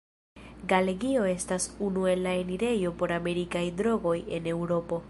Galegio estas unu el la enirejo por amerikaj drogoj en Eŭropo.